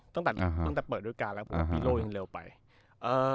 ตั้งแต่ตั้งแต่เปิดด้วยการแล้วผมปีโล่ยิงเร็วไปเอ่อ